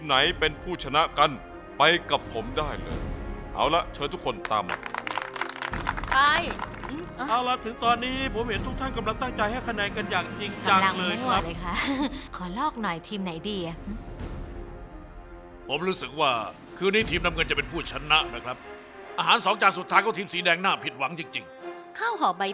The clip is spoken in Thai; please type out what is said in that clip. มาเอาออกมาอันนึงเอาออกมานี่แล้วก็มาใส่อันนี้ไว้